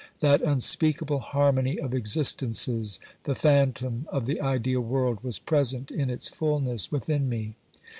That unspeakable harmony of existences, the phantom of the ideal world, was present in its fulness within me.